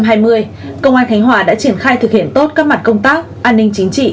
năm hai nghìn hai mươi công an khánh hòa đã triển khai thực hiện tốt các mặt công tác an ninh chính trị